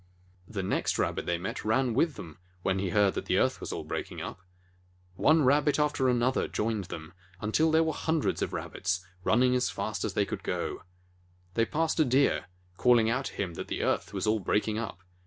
The next Rabbit they met ran with them when he heard that the earth was all breaking up. One Rabbit after another joined them, until there were hundreds of Rabbits running as fast as they eould go. 40 THE FOOLISH, TIMID RABBIT They passed a Deer, calling out to him that the earth was all breaking up.